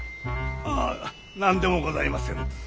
あ何でもございませぬ。